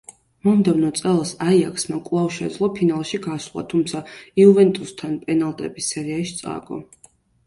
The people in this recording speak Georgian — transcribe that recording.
მომდევნო წელს „აიაქსმა“ კვლავ შეძლო ფინალში გასვლა, თუმცა „იუვენტუსთან“ პენალტების სერიაში წააგო.